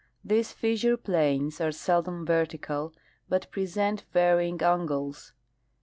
These fissure planes are seldom vertical, but present varying angles.